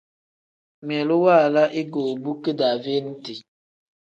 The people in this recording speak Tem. Ngmiilu waala igoobu kidaaveeniti.